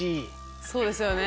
そうですよね。